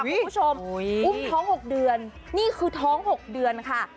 อุ้มท้องหกเดือนนี่คือท้องหกเดือนค่ะ